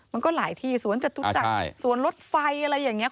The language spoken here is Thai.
มันก็หลายที่สวนจตุจักรสวนรถไฟอะไรอย่างนี้